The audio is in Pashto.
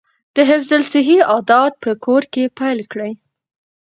د حفظ الصحې عادات په کور کې پیل کیږي.